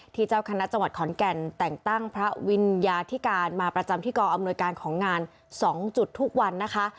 เจ้าคณะจังหวัดขอนแก่นแต่งตั้งพระวิญญาธิการมาประจำที่กออำนวยการของงาน๒จุดทุกวันนะคะ